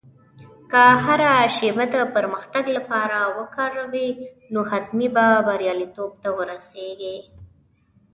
که هره شېبه د پرمختګ لپاره وکاروې، نو حتمي به بریالیتوب ته ورسېږې.